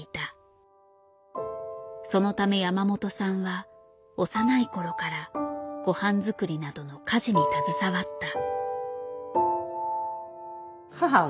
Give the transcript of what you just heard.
そのため山本さんは幼い頃からごはん作りなどの家事に携わった。